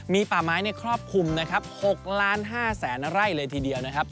มีป่าไม้ในครอบคลุมนะครับ๖ล้าน๕แสนไร่เลยทีเดียวนะครับ